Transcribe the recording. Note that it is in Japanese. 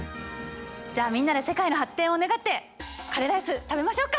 じゃあみんなで世界の発展を願ってカレーライス食べましょうか！